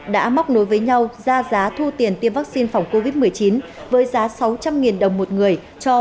đã móc nối với nhau ra giá thu tiền tiêm vaccine phòng covid một mươi chín với giá sáu trăm linh đồng một người